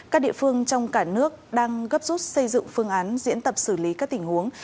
các địa phương trong cả nước đang gấp rút xây dựng phương án diễn tập xử lý các tình huống